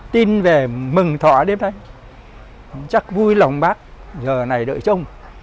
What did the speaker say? tin về mừng thỏa đêm nay chắc vui lòng bác giờ này đợi trông